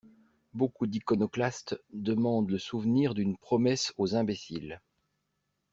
Beaucoup d'iconoclastes demandent le souvenir d'une promesse aux imbéciles.